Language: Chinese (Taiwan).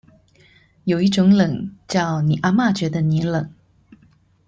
有一種冷，叫你阿嘛覺得你冷